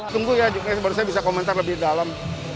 tunggu ya baru saya bisa komentar lebih dalam